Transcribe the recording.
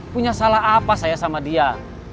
punya salah apa saya sama dia